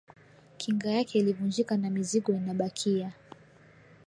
Kinga yake ilivunjika na mizigo inabakia